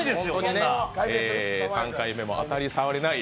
３回目も当たり障りない